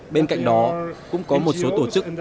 bên cạnh đó cũng có một số tổ chức